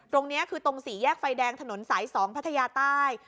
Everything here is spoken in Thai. ตรงนี้คือตรงสี่แยกไฟแดงถนนสาย๒พัทยาใต้